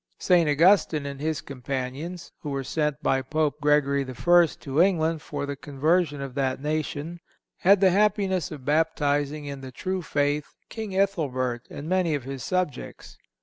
St. Augustine and his companions, who were sent by Pope Gregory I. to England for the conversion of that nation, had the happiness of baptizing in the true faith King Ethelbert and many of his subjects.